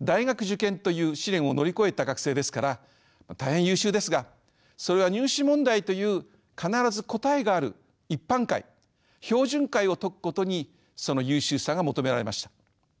大学受験という試練を乗り越えた学生ですから大変優秀ですがそれは入試問題という必ず答えがある一般解標準解を解くことにその優秀さが求められました。